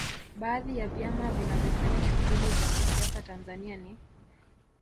Baadhi ya vyama vinavyofanya shughuli za kisiasa Tanzania ni